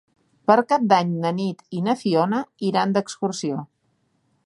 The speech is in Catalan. Per Cap d'Any na Nit i na Fiona iran d'excursió.